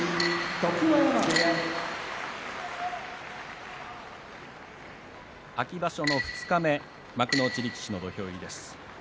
常盤山部屋秋場所の二日目幕内力士の土俵入りです。